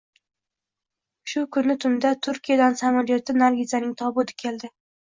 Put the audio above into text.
Shu kuni tunda Turkiyadan samolyotda Nargizaning tobuti keldi